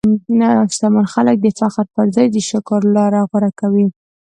شتمن خلک د فخر پر ځای د شکر لاره غوره کوي.